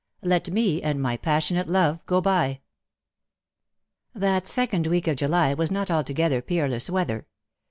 LET ME AND MY PASSIONATE LOVE GO BY/^ That second week of July was not altogether peer less weather.